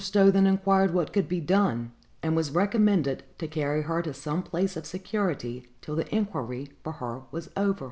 Stowe then inquired what could be done; and was recommended to carry her to some place of security till the inquiry for her was over.